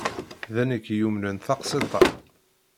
D anekk i yumnen taqsiḍt-a.